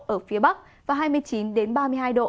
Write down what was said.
ở phía bắc và hai mươi chín ba mươi hai độ